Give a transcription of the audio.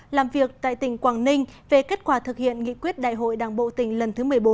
làm việc tại tỉnh quảng ninh về kết quả thực hiện nghị quyết đại hội đảng bộ tỉnh lần thứ một mươi bốn